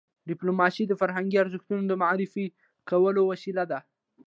ډيپلوماسي د فرهنګي ارزښتونو د معرفي کولو وسیله ده.